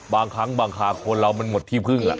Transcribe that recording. บางครั้งบางคราคนเรามันหมดที่พึ่ง